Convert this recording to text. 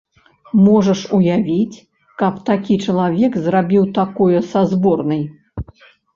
Можаш уявіць, каб такі чалавек зрабіў такое са зборнай?